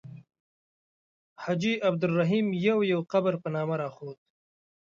حاجي عبدالرحیم یو یو قبر په نامه راښود.